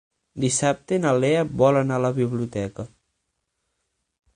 Dissabte na Lea vol anar a la biblioteca.